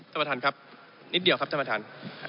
ท่านประธานครับนิดเดียวครับท่านประธาน